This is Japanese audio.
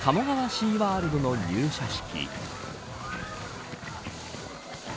シーワールドの入社式。